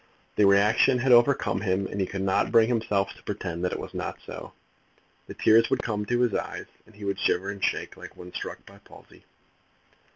The reaction had overcome him, and he could not bring himself to pretend that it was not so. The tears would come to his eyes, and he would shiver and shake like one struck by palsy.